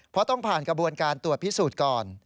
เพราะต้องผ่านกระบวนการตรวจพิสูจน์ก่อน